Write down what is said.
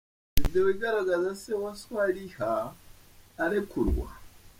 Video igaragaza se wa Swaliha arekurwa.